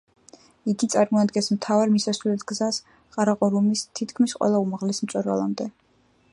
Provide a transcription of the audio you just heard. იგი წარმოადგენს მთავარ მისასვლელ გზას ყარაყორუმის თითქმის ყველა უმაღლეს მწვერვალამდე.